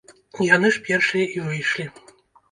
Яны ж першыя і выйшлі.